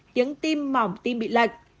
tiếng tim mỏm tim bị lệch